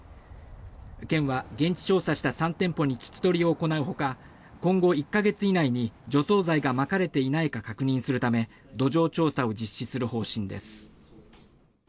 県は現地調査した３店舗に聞き取りを行うほか今後１か月以内に除草剤がまかれていないか確認するため土壌調査を実施する方針です。